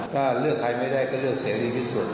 ถ้าเลือกใครไม่ได้ก็เลือกเศรษฐ์ที่สุด